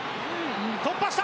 突破した！